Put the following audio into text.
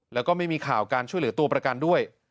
แล้วก็ไม่มีข่าวการช่วยเหลือตัวประกันด้วย